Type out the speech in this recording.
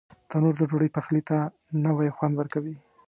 تنور د ډوډۍ پخلي ته نوی خوند ورکوي